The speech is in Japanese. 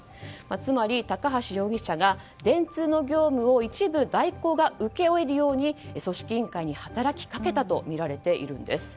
つまり、高橋容疑者が電通の業務を一部大広が請け負えるように組織委員会に働きかけたとみられているんです。